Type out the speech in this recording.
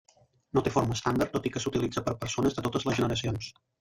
No té forma estàndard, tot i que s'utilitza per persones de totes les generacions.